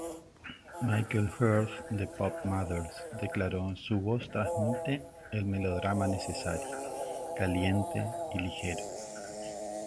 Michael Heath de PopMatters declaró: "Su voz transmite el melodrama necesario, caliente, y ligero.